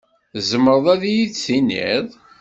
Tzemreḍ ad yi-d-tiniḍ?